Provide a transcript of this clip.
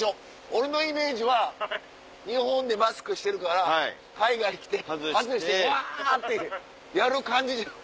俺のイメージは日本でマスクしてるから海外来て外してうわってやる感じ。